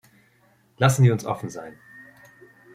Lassen Sie uns offen sein.